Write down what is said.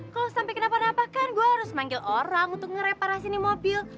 kalau sampai kenapa napa kan gue harus manggil orang untuk nge reparasi nih mobil